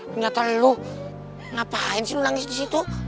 kenyataan lu ngapain sih nangis disitu